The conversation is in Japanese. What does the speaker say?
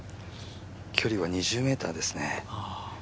距離は２０ｍですね。